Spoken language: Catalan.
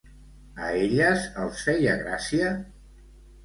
A elles els feia gràcia?